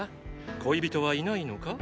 恋人はいないのか？